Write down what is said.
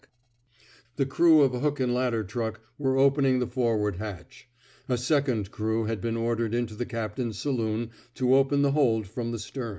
43 THE SMOKE EATEES The crew of a hook and ladder truck were opening the forward hatch. A second crew had been ordered into the captain's saloon to open the hold from the stem.